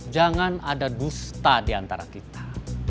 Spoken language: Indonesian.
jangan ada dusta di antara kita